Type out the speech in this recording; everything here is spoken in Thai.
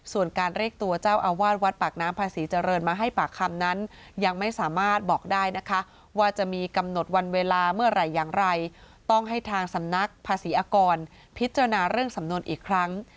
ส่วนการเรียกตัวเจ้าอาวาสวัดปากน้ำภาษีเจริญมาให้ปากคำนั้นยังไม่สามารถบอกได้นะคะว่าจะมีกำหนดวันเวลาเมื่อไหร่อย่างไรต้องให้ทางสำนักภาษีอากรพิจารณาเรื่องสำนวนอีกครั้ง